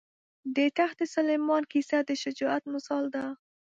د تخت سلیمان کیسه د شجاعت مثال ده.